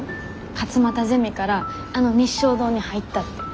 勝又ゼミからあの日粧堂に入ったって。